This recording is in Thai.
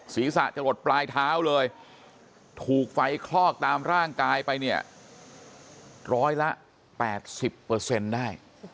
ศีรษะจะหลดปลายเท้าเลยถูกไฟคลอกตามร่างกายไปเนี่ยร้อยละ๘๐ได้